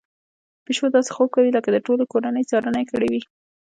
پيشو داسې خوب کوي لکه د ټولې کورنۍ څارنه يې کړې وي.